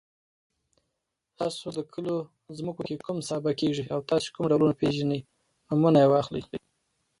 ستاسو د کلو په ځمکو کې کوم سابه کيږي او تاسو کوم راپيژنی؟ نومونه يې واخلئ.